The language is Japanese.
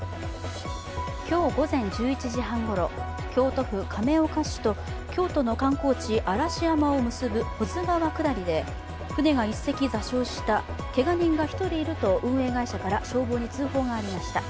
今日午前１１時半ごろ、京都府亀岡市と京都の観光地・嵐山を結ぶ保津川下りで舟が１隻座礁した、けが人が１人いると運営会社から消防に通報がありました。